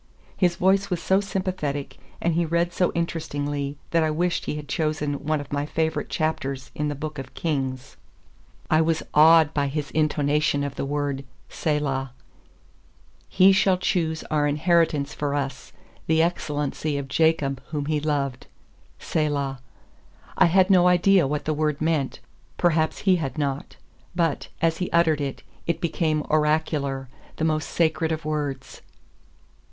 His voice was so sympathetic and he read so interestingly that I wished he had chosen one of my favorite chapters in the Book of Kings. I was awed by his intonation of the word "Selah." "He shall choose our inheritance for us, the excellency of Jacob whom He loved. Selah." I had no idea what the word meant; perhaps he had not. But, as he uttered it, it became oracular, the most sacred of words.